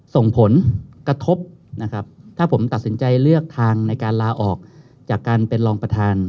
ส่งผลกระทบนะครับถ้าผมตัดสินใจเลือกทางในการลาออกจากการเป็นรองประธาน